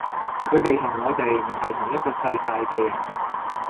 佢哋同我哋唔係同一個世界嘅人